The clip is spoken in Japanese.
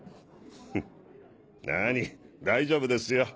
フッなぁに大丈夫ですよ。